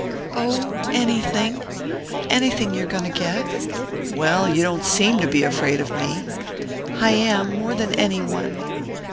"Oh, anything anything you're going to get." "Well, you don't seem to be afraid of me." "I am, more than any one."